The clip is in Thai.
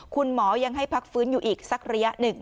คุณหมอยังให้พักฟื้นอยู่อีกสักระยะหนึ่ง